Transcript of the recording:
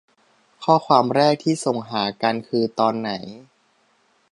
ข้อความแรกที่ส่งหากันคือตอนไหน